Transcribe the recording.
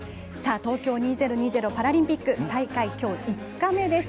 東京２０２０パラリンピック大会５日目です。